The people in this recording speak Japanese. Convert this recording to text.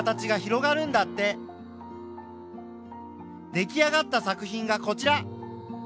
出来上がった作品がこちら。